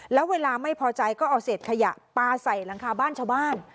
แล้วเวลาไม่พอใจก็เอาเศษขยะปลาใส่หลังคาบ้านชาวบ้าน